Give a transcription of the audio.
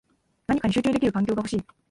何かに集中できる環境が欲しい